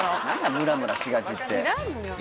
ムラムラしがちって知らんよ